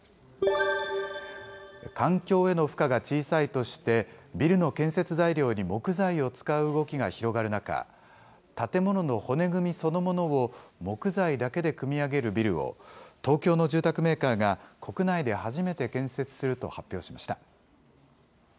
環境への負荷が小さいとして、ビルの建設材料に木材を使う動きが広がる中、建物の骨組みそのものを木材だけで組み上げるビルを、東京の住宅メーカーが国内で初めて建設すると発表しました。